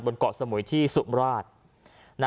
เกาะสมุยที่สุมราช